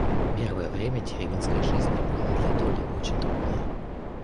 Первое время деревенской жизни было для Долли очень трудное.